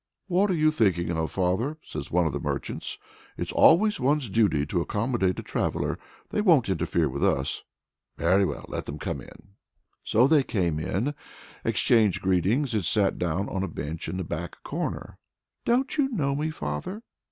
"What are you thinking of, father?" says one of the merchants. "It's always one's duty to accommodate a traveller, they won't interfere with us." "Very well, let them come in." So they came in, exchanged greetings, and sat down on a bench in the back corner. "Don't you know me, father?"